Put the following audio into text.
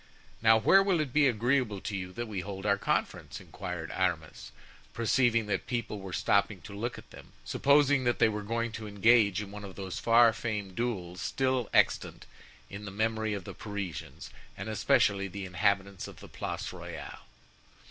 "Now where will it be agreeable to you that we hold our conference?" inquired Aramis, perceiving that people were stopping to look at them, supposing that they were going to engage in one of those far famed duels still extant in the memory of the Parisians, and especially the inhabitants of the Place Royale.